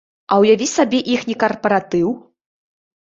А ўяві сабе іхні карпаратыў?